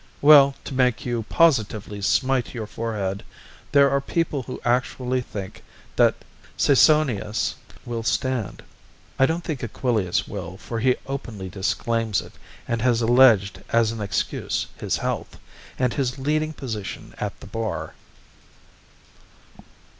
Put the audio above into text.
Well, to make you positively smite your forehead, there are people who actually think that Caesonius will stand. I don't think Aquilius will, for he openly disclaims it and has alleged as an excuse his health and his leading position at the bar.